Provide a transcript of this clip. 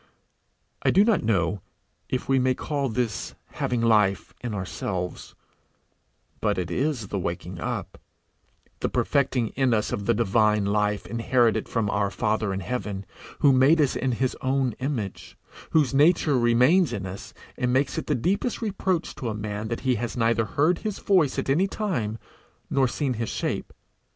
I do not know if we may call this having life in ourselves; but it is the waking up, the perfecting in us of the divine life inherited from our Father in heaven, who made us in his own image, whose nature remains in us, and makes it the deepest reproach to a man that he has neither heard his voice at any time, nor seen his shape.